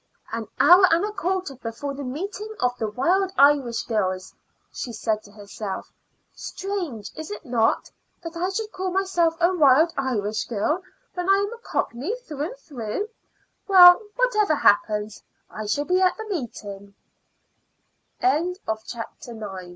"An hour and a quarter before the meeting of the Wild Irish Girls," she said to herself. "Strange, is it not, that I should call myself a Wild Irish Girl when I am a Cockney through and through? Well, whatever happens, I shall be at the meeting." CHAPTER X.